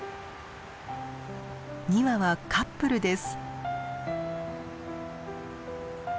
２羽はカップルです。